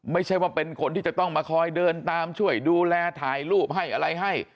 ไม่ใช่ว่าเป็นคนที่จะต้องมาคอยเดินตามช่วยดูแลถ่ายรูปให้อะไรให้